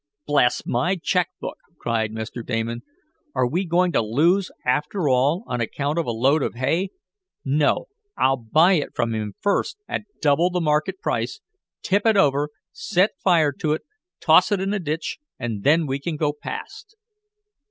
"Bless my check book!" cried Mr. Damon. "Are we going to lose, after all, on account of a load of hay? No, I'll buy it from him first, at double the market price, tip it over, set fire to it, toss it in the ditch, and then we can go past!"